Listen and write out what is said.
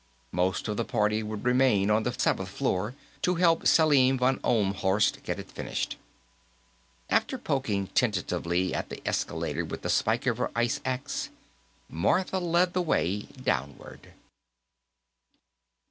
Most of the party would remain on the seventh floor, to help Selim von Ohlmhorst get it finished. After poking tentatively at the escalator with the spike of her ice axe, Martha led the way downward.